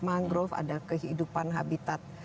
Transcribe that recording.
mangrove ada kehidupan habitat